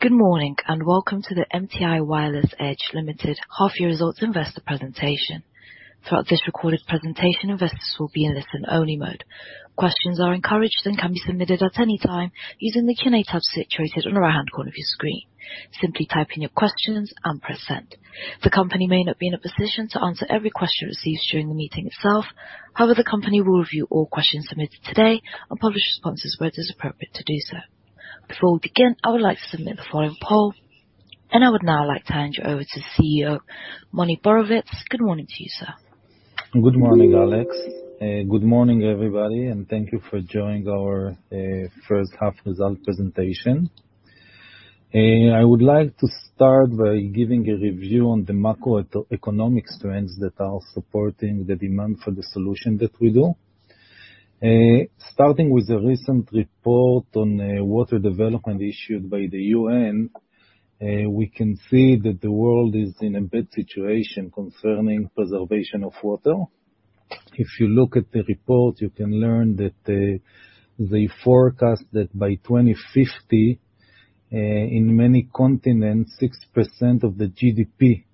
Good morning. Welcome to the MTI Wireless Edge Limited half-year results investor presentation. Throughout this recorded presentation, investors will be in listen-only mode. Questions are encouraged and can be submitted at any time using the Q&A tab situated on the right corner of your screen. Simply type in your questions and press send. The company may not be in a position to answer every question received during the meeting itself. However, the company will review all questions submitted today and publish responses where it is appropriate to do so. Before we begin, I would like to submit the following poll. I would now like to hand you over to CEO, Moni Borovitz. Good morning to you, sir. Good morning, Alex. Good morning, everybody, and thank you for joining our first half result presentation. I would like to start by giving a review on the macroeconomic trends that are supporting the demand for the solution that we do. Starting with the recent report on water development, issued by the UN, we can see that the world is in a bad situation concerning preservation of water. If you look at the report, you can learn that they forecast that by 2050, in many continents, 60% of the GDP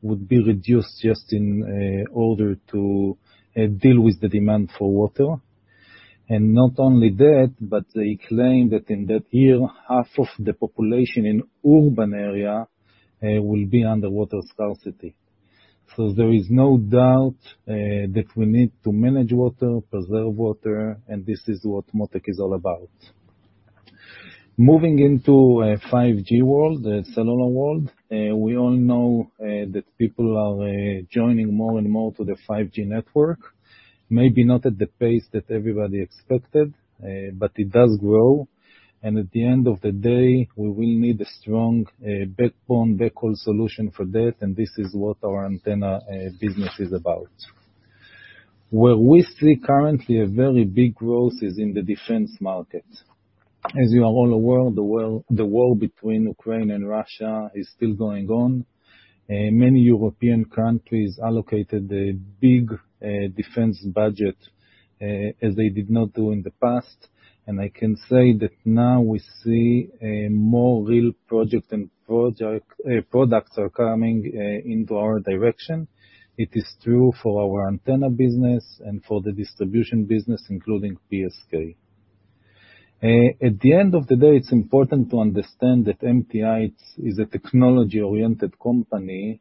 would be reduced just in order to deal with the demand for water. Not only that, but they claim that in that year, half of the population in urban areas will be under water scarcity. There is no doubt that we need to manage water, preserve water, and this is what Mottech is all about. Moving into a 5G world, the cellular world, we all know that people are joining more and more to the 5G network. Maybe not at the pace everyone expected, but it does grow. At the end of the day, we will need a strong backbone, backhaul solution for that, and this is what our antenna business is about. Where we see currently a very big growth is in the defense market. As you are all aware, the war between Ukraine and Russia is still going on. Many European countries allocated a big defense budget as they did not do in the past. I can say that now we see more real project and products are coming into our direction. It is true for our antenna business and for the distribution business, including PSK. At the end of the day, it's important to understand that MTI is a technology-oriented company,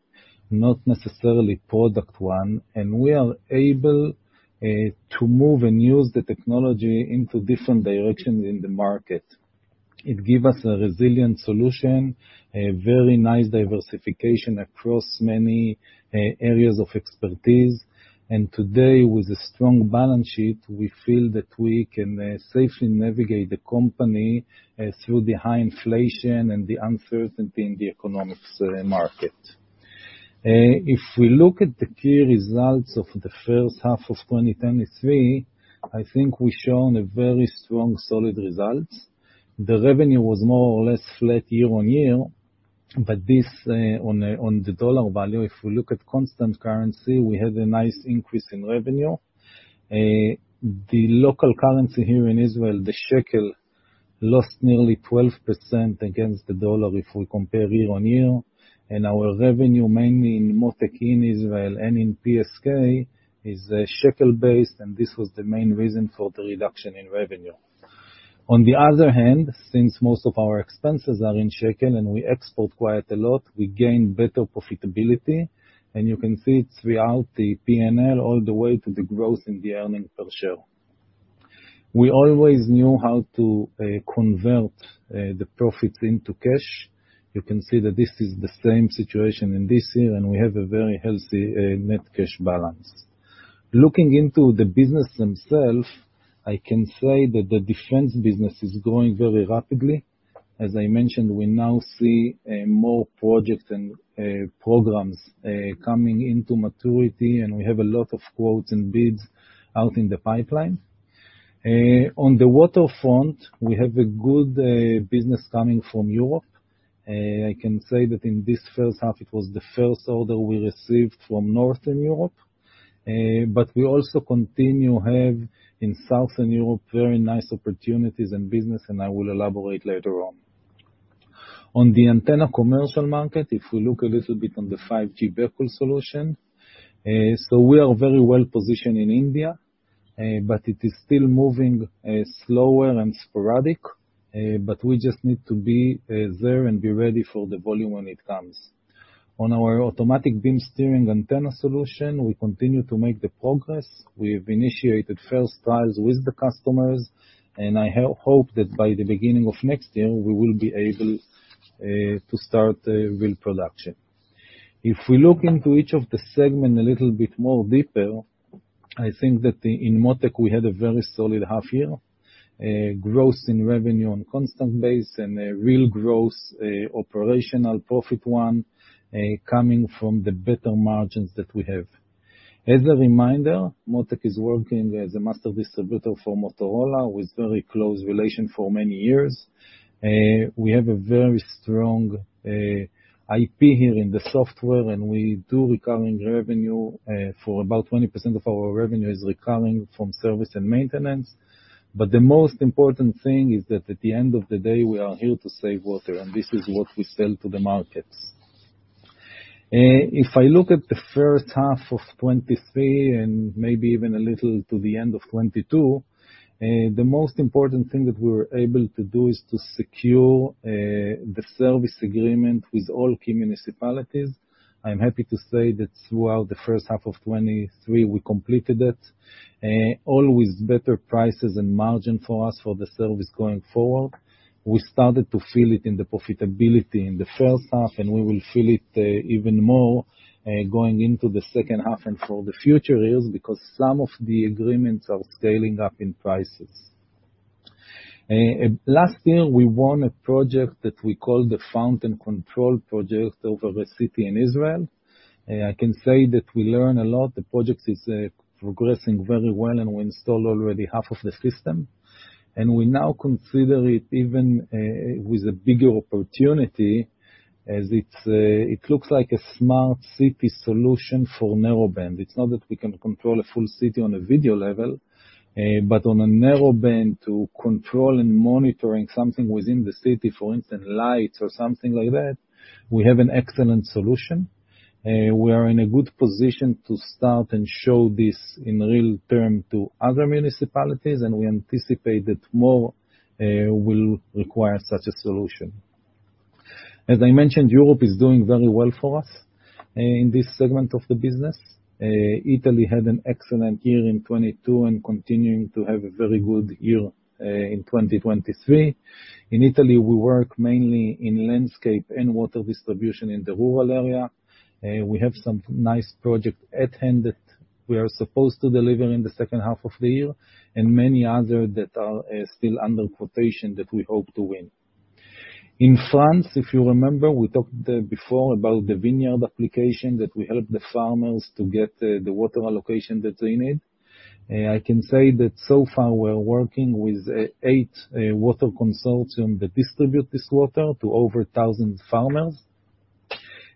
not necessarily product one, and we are able to move and use the technology into different directions in the market. It gives us a resilient solution, a very nice diversification across many areas of expertise. Today, with a strong balance sheet, we feel that we can safely navigate the company through the high inflation and the uncertainty in the economic market. If we look at the key results of the first half of 2023, I think we've shown a very strong, solid result. The revenue was more or less flat year-over-year, but this on the dollar value, if we look at constant currency, we had a nice increase in revenue. The local currency here in Israel, the shekel lost nearly 12% against the dollar if we compare year-over-year. Our revenue, mainly in Mottech in Israel and in PSK, is shekel-based, and this was the main reason for the reduction in revenue. On the other hand, since most of our expenses are in shekel and we export quite a lot, we gain better profitability, and you can see it throughout the P&L, all the way to the growth in the earnings per share. We always knew how to convert the profits into cash. You can see that this is the same situation in this year, and we have a very healthy net cash balance. Looking into the business themselves, I can say that the defense business is growing very rapidly. As I mentioned, we now see more projects and programs coming into maturity, and we have a lot of quotes and bids out in the pipeline. On the water front, we have a good business coming from Europe. I can say that in this first half, it was the first order we received from Northern Europe. We also continue have in Southern Europe, very nice opportunities and business, and I will elaborate later on. On the antenna commercial market, if we look a little bit on the 5G backhaul solution, so we are very well positioned in India, but it is still moving slower and sporadic, but we just need to be there and be ready for the volume when it comes. On our Automatic Beam Steering antenna solution, we continue to make the progress. We have initiated first trials with the customers, and I hope that by the beginning of next year, we will be able to start real production. If we look into each of the segment a little bit more deeper, I think that in Mottech, we had a very solid half year. Growth in revenue on constant base and a real growth, operational profit one, coming from the better margins that we have. As a reminder, Mottech is working as a master distributor for Motorola, with very close relation for many years. We have a very strong IP here in the software, and we do recurring revenue, for about 20% of our revenue is recurring from service and maintenance. The most important thing is that at the end of the day, we are here to save water, and this is what we sell to the markets. If I look at the first half of 2023, and maybe even a little to the end of 2022, the most important thing that we were able to do is to secure the service agreement with all key municipalities. I'm happy to say that throughout the first half of 2023, we completed it, all with better prices and margin for us for the service going forward. We started to feel it in the profitability in the first half, and we will feel it even more going into the second half and for the future years, because some of the agreements are scaling up in prices. Last year, we won a project that we call the fountain control project over a city in Israel. I can say that we learn a lot. The project is progressing very well, and we installed already half of the system, and we now consider it even with a bigger opportunity as it looks like a smart city solution for narrowband. It's not that we can control a full city on a video level, but on a narrowband to control and monitoring something within the city, for instance, lights or something like that, we have an excellent solution. We are in a good position to start and show this in real term to other municipalities. We anticipate that more will require such a solution. As I mentioned, Europe is doing very well for us in this segment of the business. Italy had an excellent year in 2022 and continuing to have a very good year in 2023. In Italy, we work mainly in landscape and water distribution in the rural area. We have some nice project at hand that we are supposed to deliver in the second half of the year. Many other that are still under quotation that we hope to win. In France, if you remember, we talked before about the vineyard application, that we help the farmers to get the water allocation that they need. I can say that so far, we're working with 8 water consortium that distribute this water to over 1,000 farmers.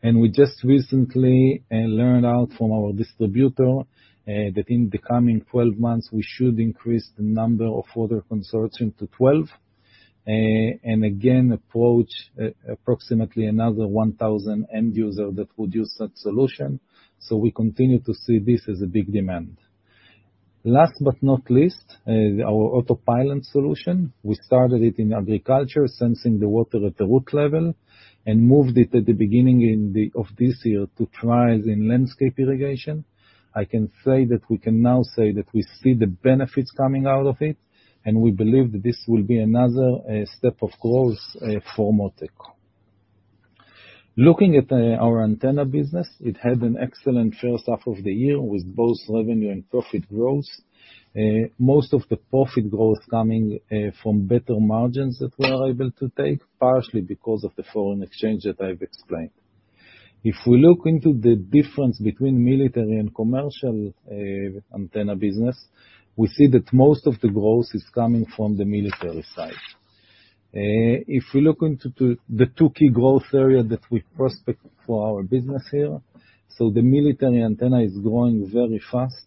We just recently learned out from our distributor that in the coming 12 months, we should increase the number of water consortium to 12, and again, approach approximately another 1,000 end user that would use that solution. We continue to see this as a big demand. Last but not least, our autopilot solution. We started it in agriculture, sensing the water at the root level, and moved it at the beginning in the of this year to trials in landscape irrigation. I can say that we can now say that we see the benefits coming out of it, and we believe that this will be another step of growth for Mottech. Looking at our antenna business, it had an excellent first half of the year with both revenue and profit growth. Most of the profit growth coming from better margins that we are able to take, partially because of the foreign exchange that I've explained. If we look into the difference between military and commercial antenna business, we see that most of the growth is coming from the military side. If we look into the, the two key growth area that we prospect for our business here, so the military antenna is growing very fast.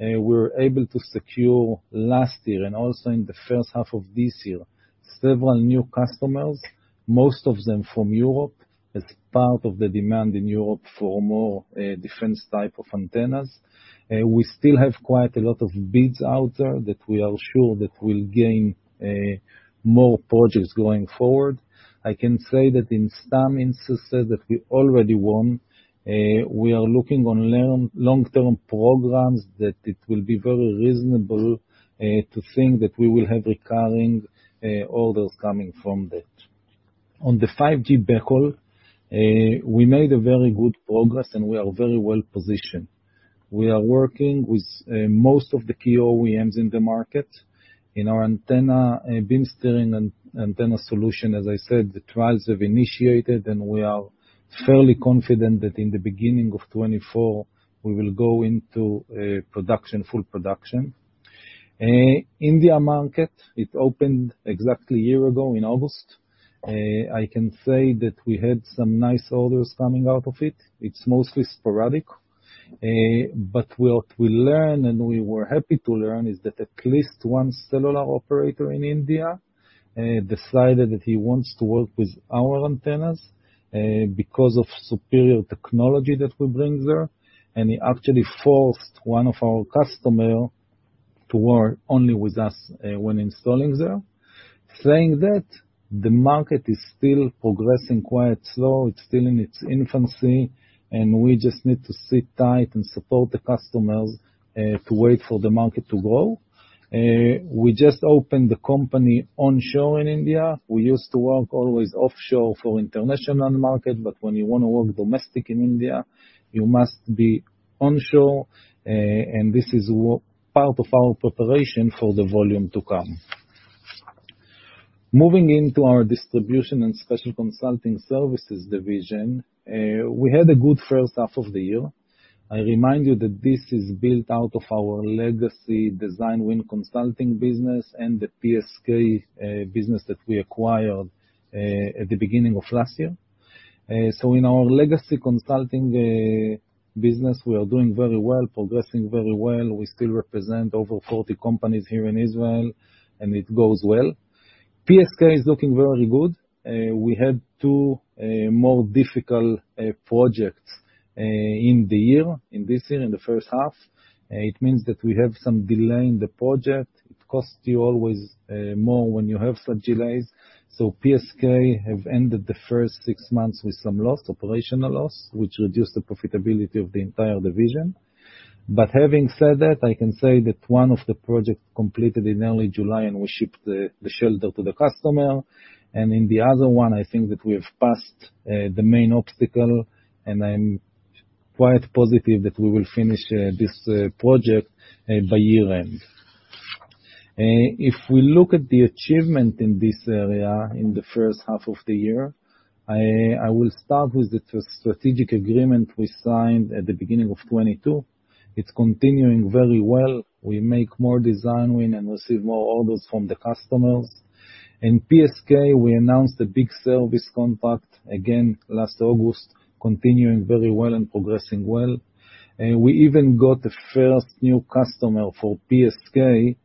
We were able to secure last year and also in the 1st half of this year, several new customers, most of them from Europe, as part of the demand in Europe for more defense type of antennas. We still have quite a lot of bids out there that we are sure that will gain more projects going forward. I can say that in some instances that we already won, we are looking on long-term programs, that it will be very reasonable to think that we will have recurring orders coming from that. On the 5G backhaul, we made a very good progress, and we are very well positioned. We are working with most of the key OEMs in the market. In our beam steering antenna solution, as I said, the trials have initiated, and we are fairly confident that in the beginning of 2024, we will go into production, full production. India market, it opened exactly a year ago in August. I can say that we had some nice orders coming out of it. It's mostly sporadic, but what we learned, and we were happy to learn, is that at least one cellular operator in India decided that he wants to work with our antennas because of superior technology that we bring there, and he actually forced one of our customer to work only with us when installing there. Saying that, the market is still progressing quite slow. It's still in its infancy, and we just need to sit tight and support the customers to wait for the market to grow. We just opened the company onshore in India. We used to work always offshore for international market, but when you want to work domestic in India, you must be onshore, and this is part of our preparation for the volume to come. Moving into our distribution and special consulting services division, we had a good first half of the year. I remind you that this is built out of our legacy design win consulting business and the PSK business that we acquired at the beginning of last year. In our legacy consulting business, we are doing very well, progressing very well. We still represent over 40 companies here in Israel, and it goes well. PSK is looking very good. We had two more difficult projects in the year, in this year, in the first half. It means that we have some delay in the project. It costs you always more when you have such delays. PSK have ended the first six months with some loss, operational loss, which reduced the profitability of the entire division. But having said that, I can say that one of the projects completed in early July, and we shipped, the shelter to the customer, and in the other one, I think that we have passed the main obstacle, and I'm quite positive that we will finish this project by year end. If we look at the achievement in this area in the first half of the year, I, I will start with the strategic agreement we signed at the beginning of 2022. It's continuing very well. We make more design win and receive more orders from the customers. In PSK, we announced a big service contract again last August, continuing very well and progressing well. We even got the first new customer for PSK,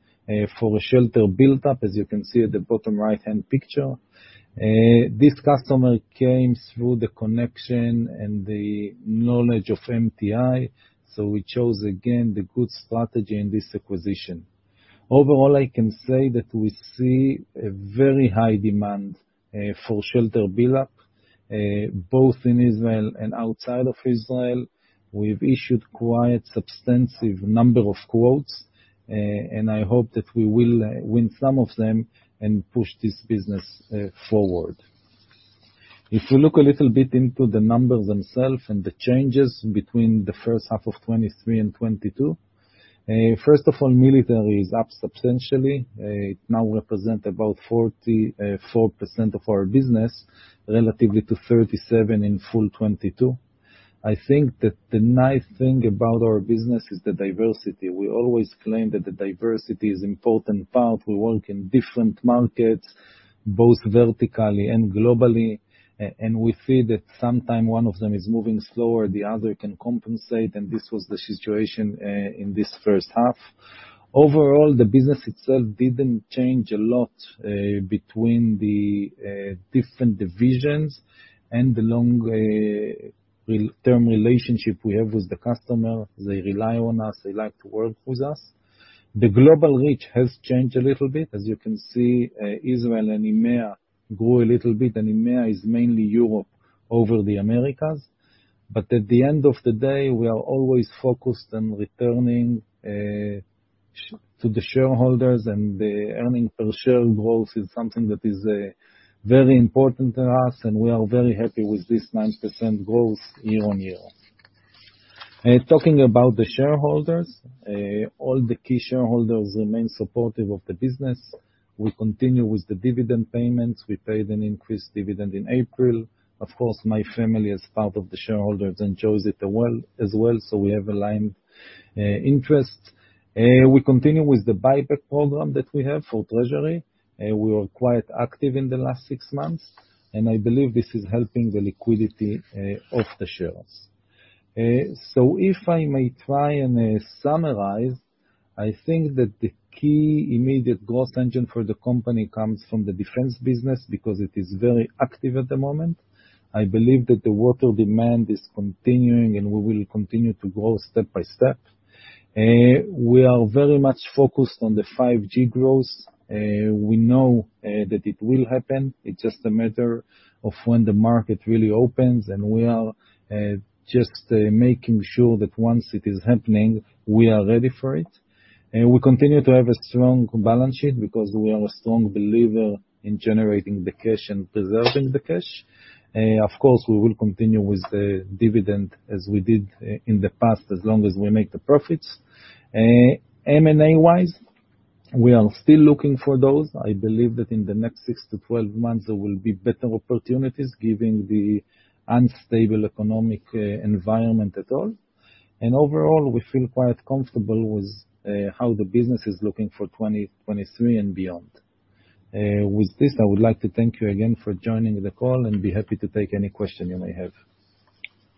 for a shelter built up, as you can see at the bottom right picture. This customer came through the connection and the knowledge of MTI, so we chose, again, the good strategy in this acquisition. Overall, I can say that we see a very high demand for shelter build-up, both in Israel and outside of Israel. We've issued quite substantive number of quotes, and I hope that we will win some of them and push this business forward. If you look a little bit into the numbers themselves and the changes between the first half of 2023 and 2022, first of all, military is up substantially. It now represent about 44% of our business, relatively to 37% in full 2022. I think that the nice thing about our business is the diversity. We always claim that the diversity is important part. We work in different markets, both vertically and globally, and we see that sometime one of them is moving slower, the other can compensate, and this was the situation in this first half. Overall, the business itself didn't change a lot between the different divisions and the long-term relationship we have with the customer. They rely on us. They like to work with us. The global reach has changed a little bit. As you can see, Israel and EMEA grew a little bit, and EMEA is mainly Europe over the Americas. At the end of the day, we are always focused on returning to the shareholders, and the earnings per share growth is something that is very important to us, and we are very happy with this 9% growth year-on-year. Talking about the shareholders, all the key shareholders remain supportive of the business. We continue with the dividend payments. We paid an increased dividend in April. Of course, my family is part of the shareholders and chose it well, as well, so we have aligned interests. We continue with the buyback program that we have for treasury. We were quite active in the last 6 months, and I believe this is helping the liquidity of the shares. If I may try and summarize, I think that the key immediate growth engine for the company comes from the defense business, because it is very active at the moment. I believe that the water demand is continuing, and we will continue to grow step by step. We are very much focused on the 5G growth. We know that it will happen. It's just a matter of when the market really opens, and we are just making sure that once it is happening, we are ready for it. We continue to have a strong balance sheet, because we are a strong believer in generating the cash and preserving the cash. Of course, we will continue with the dividend as we did in the past, as long as we make the profits. M&A-wise, we are still looking for those. I believe that in the next six to 12 months, there will be better opportunities, given the unstable economic environment at all. Overall, we feel quite comfortable with how the business is looking for 2023 and beyond. With this, I would like to thank you again for joining the call, and be happy to take any question you may have.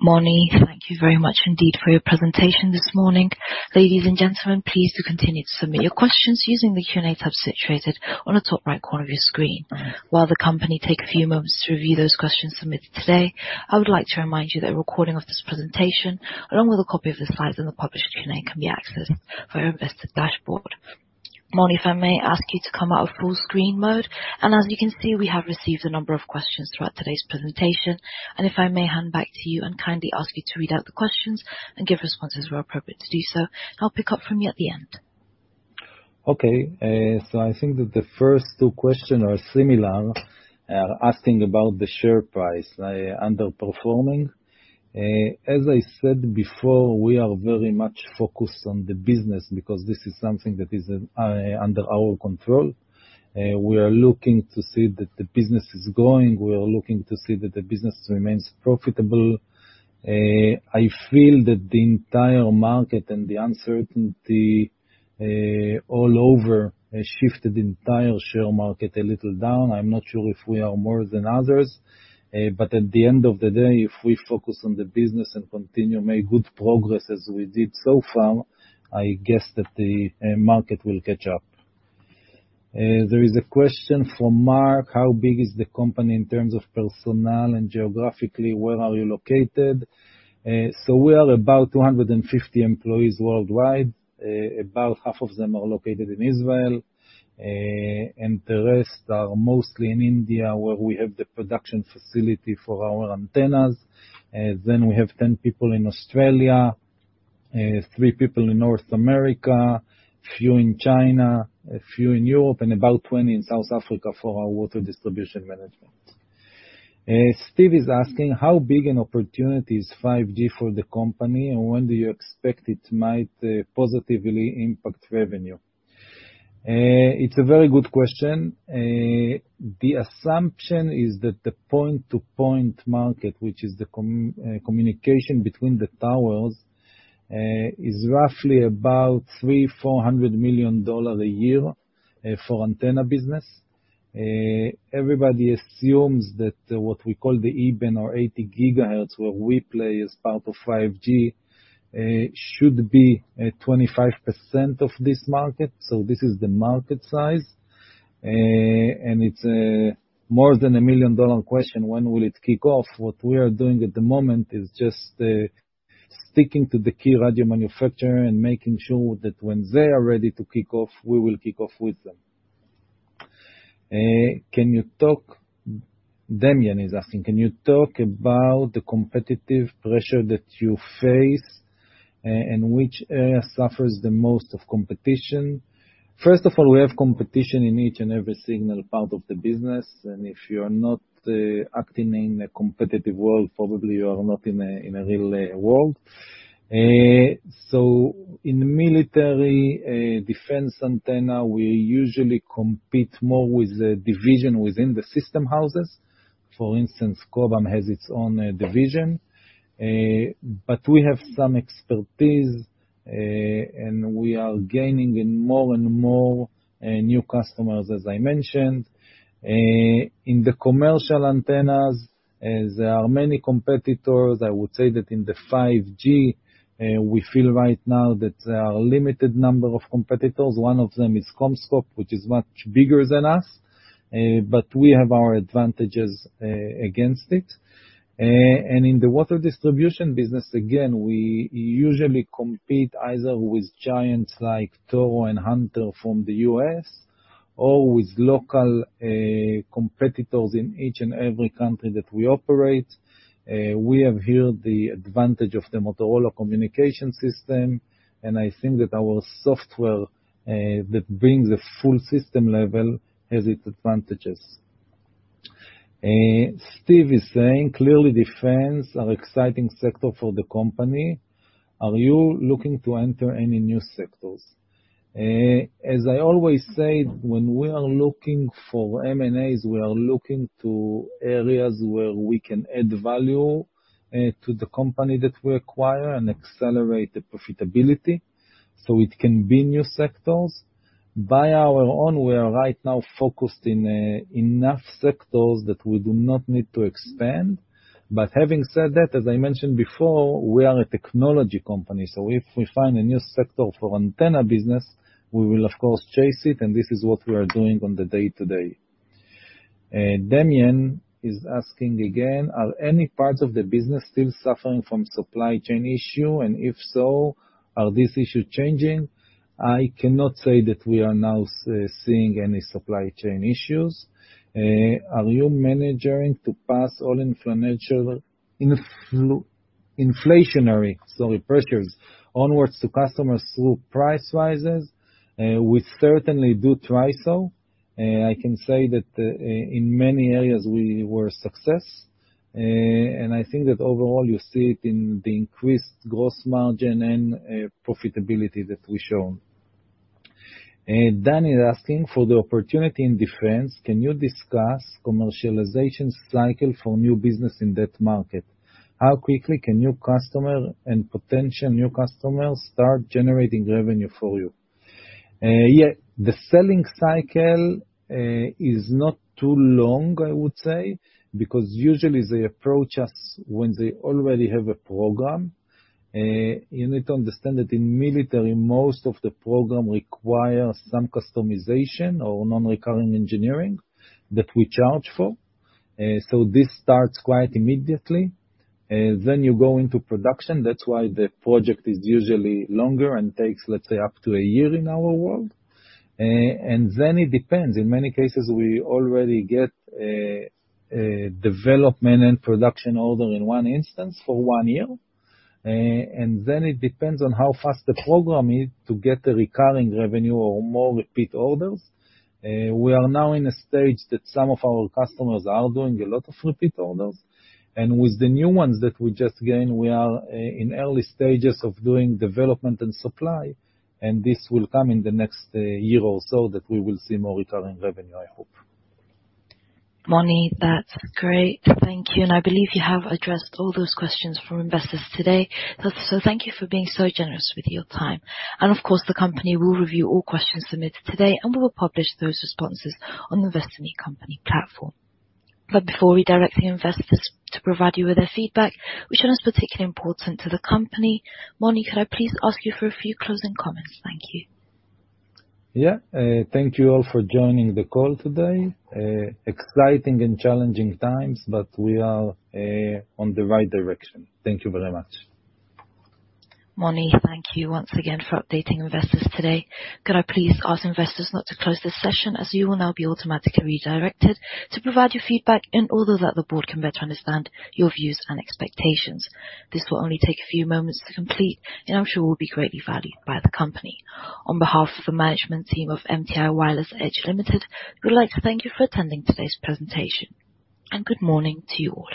Moni, thank you very much indeed for your presentation this morning. Ladies and gentlemen, please do continue to submit your questions using the Q&A tab situated on the top right corner of your screen. While the company take a few moments to review those questions submitted today, I would like to remind you that a recording of this presentation, along with a copy of the slides and the published Q&A, can be accessed via our investor dashboard. Moni, if I may ask you to come out of full screen mode, and as you can see, we have received a number of questions throughout today's presentation. If I may hand back to you and kindly ask you to read out the questions and give responses where appropriate to do so. I'll pick up from you at the end. Okay. I think that the first two questions are similar, asking about the share price, underperforming. As I said before, we are very much focused on the business, because this is something that is, under our control. We are looking to see that the business is growing. We are looking to see that the business remains profitable. I feel that the entire market and the uncertainty, all over, has shifted the entire share market a little down. I'm not sure if we are more than others. At the end of the day, if we focus on the business and continue make good progress as we did so far, I guess that the, market will catch up. There is a question from Mark: How big is the company in terms of personnel, and geographically, where are you located? We are about 250 employees worldwide. About half of them are located in Israel, and the rest are mostly in India where we have the production facility for our antennas. We have 10 people in Australia, three people in North America, a few in China, a few in Europe, and about 20 in South Africa for our water distribution management. Steve is asking: How big an opportunity is 5G for the company, and when do you expect it might positively impact revenue? It's a very good question. The assumption is that the point-to-point market, which is the communication between the towers, is roughly about $300 million-$400 million a year, for antenna business. Everybody assumes that what we call the E-band or 80 GHz, where we play as part of 5G, should be at 25% of this market. This is the market size. And it's more than a $1 million question, when will it kick off? What we are doing at the moment is just sticking to the key radio manufacturer and making sure that when they are ready to kick off, we will kick off with them. Can you talk-- Damian is asking, can you talk about the competitive pressure that you face, and which area suffers the most of competition? First of all, we have competition in each and every single part of the business, and if you are not acting in a competitive world, probably you are not in a real world. In the military, defense antenna, we usually compete more with the division within the system houses. For instance, Cobham has its own division, but we have some expertise, and we are gaining in more and more new customers, as I mentioned. In the commercial antennas, there are many competitors. I would say that in the 5G, we feel right now that there are a limited number of competitors. One of them is CommScope, which is much bigger than us, but we have our advantages against it. In the water distribution business, again, we usually compete either with giants like Toro and Hunter from the US or with local competitors in each and every country that we operate. We have here the advantage of the Motorola communication system, and I think that our software that brings a full system level, has its advantages. Steve is saying, "Clearly, defense are exciting sector for the company. Are you looking to enter any new sectors?" As I always say, when we are looking for M&As, we are looking to areas where we can add value to the company that we acquire and accelerate the profitability, it can be new sectors. By our own, we are right now focused in enough sectors that we do not need to expand. Having said that, as I mentioned before, we are a technology company, if we find a new sector for antenna business, we will of course chase it, this is what we are doing on the day-to-day. Damian is asking again, "Are any parts of the business still suffering from supply chain issue? If so, are these issue changing?" I cannot say that we are now seeing any supply chain issues. Are you managing to pass all inflationary, pressures onwards to customers through price rises? We certainly do try so. I can say that in many areas we were a success, and I think that overall, you see it in the increased gross margin and profitability that we've shown. Danny is asking for the opportunity in defense: Can you discuss commercialization cycle for new business in that market? How quickly can new customer and potential new customers start generating revenue for you? Yeah, the selling cycle is not too long, I would say, because usually they approach us when they already have a program. You need to understand that in military, most of the program requires some customization or non-recurring engineering that we charge for. This starts quite immediately. You go into production. That's why the project is usually longer and takes, let's say, up to a year in our world. It depends. In many cases, we already get a development and production order in one instance for one year, and then it depends on how fast the program is to get the recurring revenue or more repeat orders. We are now in a stage that some of our customers are doing a lot of repeat orders, and with the new ones that we just gained, we are in early stages of doing development and supply, and this will come in the next year or so, that we will see more recurring revenue, I hope. Moni, that's great. Thank you. I believe you have addressed all those questions from investors today. Thank you for being so generous with your time. Of course, the company will review all questions submitted today, and we will publish those responses on the Investor Meet Company platform. Before we direct the investors to provide you with their feedback, which is particularly important to the company, Moni, could I please ask you for a few closing comments? Thank you. Yeah. Thank you all for joining the call today. Exciting and challenging times, but we are on the right direction. Thank you very much. Moni, thank you once again for updating investors today. Could I please ask investors not to close this session, as you will now be automatically redirected to provide your feedback and all so that the board can better understand your views and expectations. This will only take a few moments to complete, and I'm sure will be greatly valued by the company. On behalf of the management team of MTI Wireless Edge Limited, we would like to thank you for attending today's presentation, and good morning to you all.